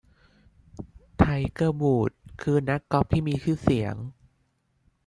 ไทเกอร์ วูดส์ คือนักกอล์ฟที่มีชื่อเสียง